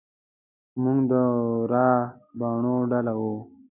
موږ د ورا باڼو ډله وو.